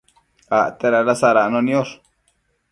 acte dada sadacno niosh